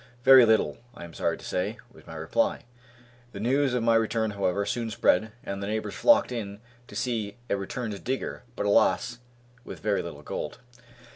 "Very little, I am sorry to say," was my reply. The news of my return, however, soon spread, and the neighbors flocked in to see a returned digger, but, alas, with very little gold.